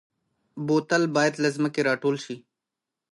بوتل باید له ځمکې راټول شي.